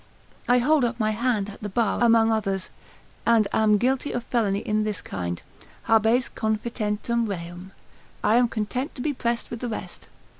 I hold up my hand at the bar among others, and am guilty of felony in this kind, habes confitentem reum, I am content to be pressed with the rest.